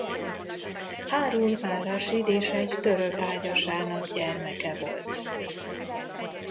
Hárún ar-Rasíd és egy török ágyasának gyermeke volt.